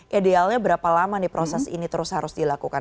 idealnya berapa lama nih proses ini terus harus dilakukan